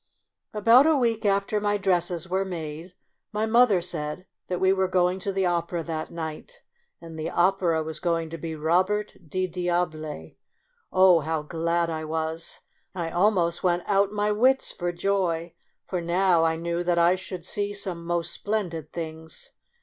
About a week after my dresses were made, my mother said that we were going to the opera that night, and the opera was going to be "Robert le Diable." Oh! how glad I was ; I almost went out my wits for joy, for now I knew that I should see some most splendid things.